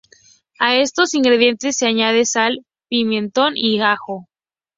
A estos ingredientes se añade sal, pimentón y ajo.